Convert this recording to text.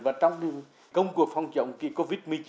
và trong công cuộc phòng chống covid một mươi chín